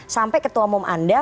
sampai ketua umum anda